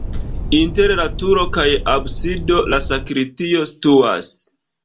Inter la turo kaj absido la sakristio situas.